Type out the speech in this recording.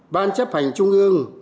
ban chấp hành trung ương